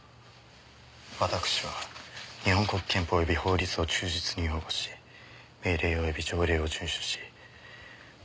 私は日本国憲法及び法律を忠実に擁護し命令及び条例を遵守し。